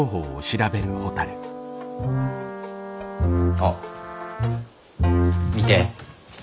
あっ見て。